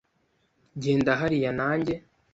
Genda hariya nanjye.